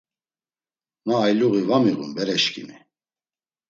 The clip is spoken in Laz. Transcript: Ma ayluği va miğun bereşǩimi.